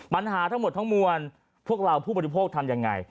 ปัญหาทั้งหมดทั้งมวลพวกเราผู้บริโภคทำยังไง